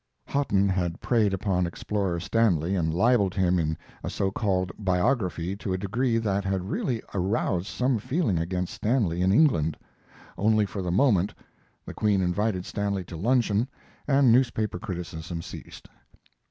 Hotten had preyed upon explorer Stanley and libeled him in a so called. biography to a degree that had really aroused some feeling against Stanley in England. Only for the moment the Queen invited Stanley to luncheon, and newspaper criticism ceased.